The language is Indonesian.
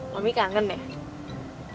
kami kangen ya